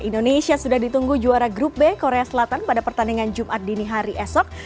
indonesia sudah ditunggu juara grup b korea selatan pada pertandingan jumat dini hari esok